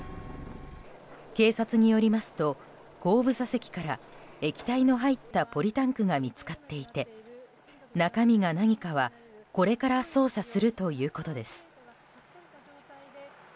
警察によりますと後部座席から液体の入ったポリタンクが見つかっていて中身が何かは、これから捜査するということです。